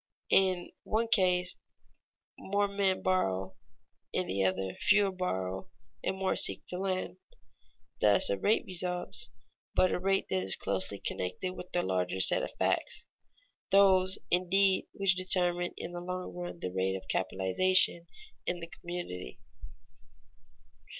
In the one case, more men borrow; in the other, fewer borrow and more seek to lend. Thus a rate results, but a rate that is closely connected with larger set of facts those, indeed, which determine in the long run the rate of capitalization in the community.